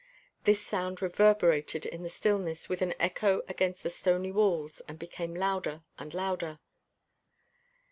This sound reverberated in the stillness with an echo against the stony walls, and became louder and louder.